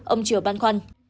ông triều ban khoan